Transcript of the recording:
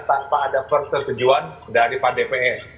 tanpa ada persetujuan dari pak dpr